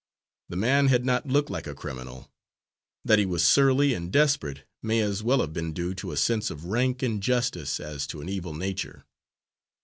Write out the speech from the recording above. The man had not looked like a criminal; that he was surly and desperate may as well have been due to a sense of rank injustice as to an evil nature.